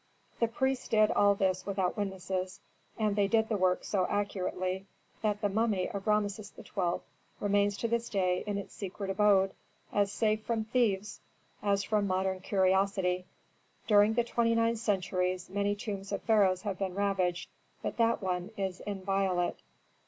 The priests did all this without witnesses; and they did the work so accurately that the mummy of Rameses XII. remains to this day in its secret abode, as safe from thieves as from modern curiosity. During twenty nine centuries many tombs of pharaohs have been ravaged, but that one is inviolate.